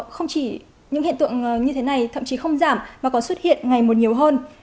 không chỉ những hiện tượng như thế này thậm chí không giảm mà còn xuất hiện ngày một nhiều hơn